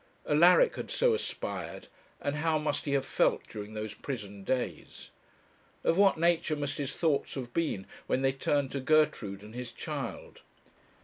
Alaric had so aspired, and how must he have felt during those prison days! Of what nature must his thoughts have been when they turned to Gertrude and his child!